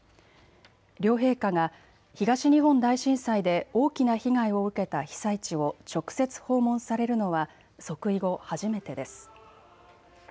両陛下が東日本大震災で大きな被害を受けた被災地を直接訪問されるのは即位後、初めてです。